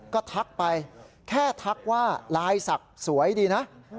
ก็ทักไปแค่ทักว่าลายศักดิ์สวยดีนะ